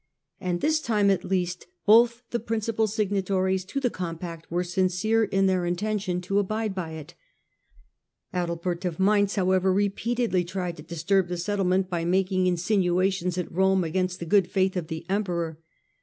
And this time at least both the principal signatories to the compact were sincere in their intention to abide by it. Adalbert of Mainz, indeed, repeatedly tried to disturb the settlement by making insinuations at Rome against the good faith of the emperor.